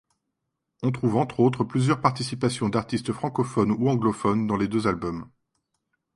On trouve entre autres plusieurs participations d'artistes francophones ou anglophones dans les deux albums.